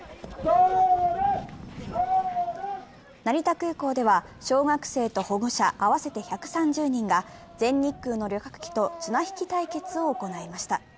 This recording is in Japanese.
成田空港では、小学生と保護者合わせて１３０人が全日空の旅客機と綱引き対決を行いました。